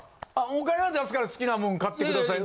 お金は出すから好きな物買ってください。